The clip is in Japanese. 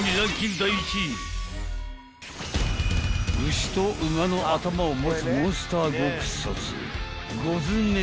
［牛と馬の頭を持つモンスター獄卒］